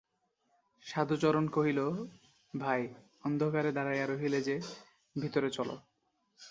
সাধুচরণ কহিল, ভাই, অন্ধকারে দাঁড়াইয়া রহিলে যে, ভিতরে চলো।